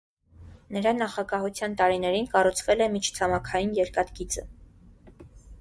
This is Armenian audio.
Նրա նախագահության տարիներին կառուցվել է միջցամաքային երկաթգիծը։